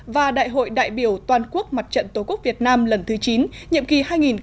và đại hội đại biểu toàn quốc mặt trận tổ quốc việt nam lần thứ chín nhiệm kỳ hai nghìn một mươi chín hai nghìn hai mươi bốn